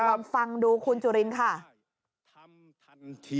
ลองฟังดูคุณจุลินค่ะ